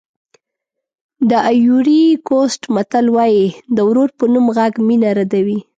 د ایوُري کوسټ متل وایي د ورور په نوم غږ مینه ردوي.